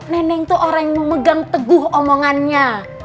nenek tuh orang yang memegang teguh omongannya